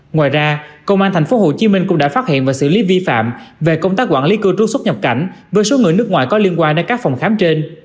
ngoài ra công an tp hcm cũng đã phát hiện và xử lý vi phạm về công tác quản lý cư trú xuất nhập cảnh với số người nước ngoài có liên quan đến các phòng khám trên